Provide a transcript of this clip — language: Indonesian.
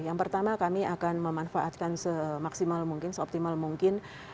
yang pertama kami akan memanfaatkan semaksimal mungkin seoptimal mungkin